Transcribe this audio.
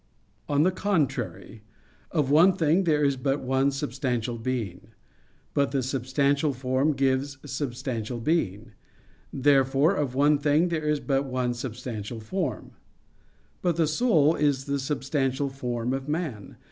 On the contrary, Of one thing there is but one substantial being. But the substantial form gives substantial being. Therefore of one thing there is but one substantial form. But the soul is the substantial form of man.